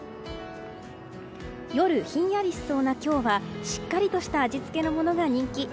夜ひんやりしそうな今日はしっかりとした味付けのものが人気。